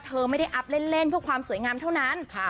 เธอไม่ได้อัพเล่นเพื่อความสวยงามเท่านั้น